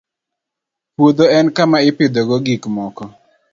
Puodho en kama ipidhogo gik moko